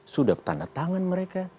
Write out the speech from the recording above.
sudah tanda tangan mereka